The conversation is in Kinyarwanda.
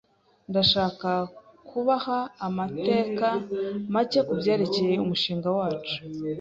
Ndashaka kubaha amateka make kubyerekeye umushinga wacu.